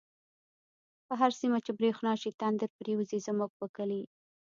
په هر سيمه چی بريښنا شی، تندر پر يوزی زموږ په کلی